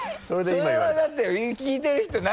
それはだって聞いてる人「何？」